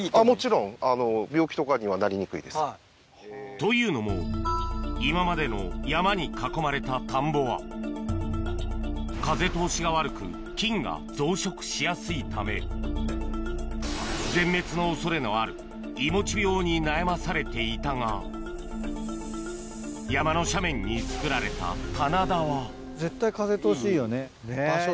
というのも今までの山に囲まれた田んぼは菌が増殖しやすいため全滅の恐れのあるいもち病に悩まされていたが山の斜面につくられた棚田は絶対。